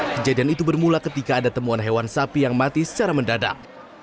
kejadian itu bermula ketika ada temuan hewan sapi yang mati secara mendadak